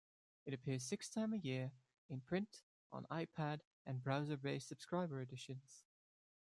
It appears six times a year in print, on iPad and browser-based subscriber editions.